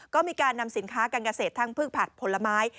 ก็มีการนำสินค้าการเกษตรทั้งพืชผักผลไม้